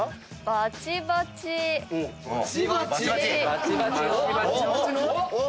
⁉バチバチを？